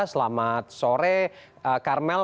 selamat sore karmel